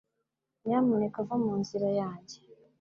Nyamuneka va mu nzira yanjye.